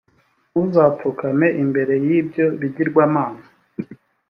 ntuzapfukame imbere y’ibyo bigirwamana,